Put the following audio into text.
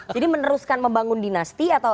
jadi meneruskan membangun dinasti atau